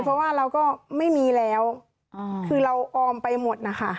เพราะว่าเราก็ไม่มีแล้วคือเราออมไปหมดนะคะ